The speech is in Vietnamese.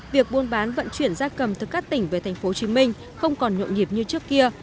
việc buôn bán vận chuyển da cầm từ các tỉnh về tp hcm không còn nhộn nhịp như trước kia